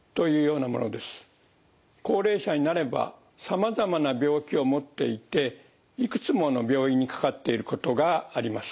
高齢者になればさまざまな病気を持っていていくつもの病院にかかっていることがあります。